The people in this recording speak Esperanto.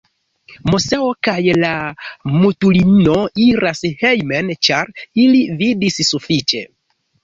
Moseo kaj la mutulino iras hejmen, ĉar ili vidis sufiĉe.